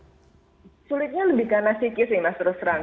sulitnya lebih karena psikis nih mas terus terang